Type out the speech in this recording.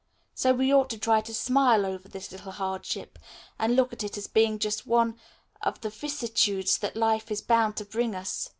So we ought to try to smile over this little hardship and look at it as being just one of the vicissitudes that life is bound to bring us."